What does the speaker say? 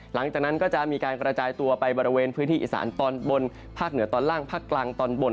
หลังจากนั้นก็จะมีการกระจายตัวไปบริเวณพื้นที่อีสานตอนบนภาคเหนือตอนล่างภาคกลางตอนบน